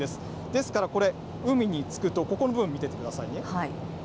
ですからこれ、海に着くと、ここの部分、見てくださいね。